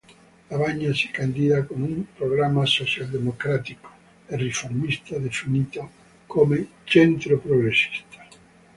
Lavagna si candida con un programma socialdemocratico e riformista definito come "centro progressista".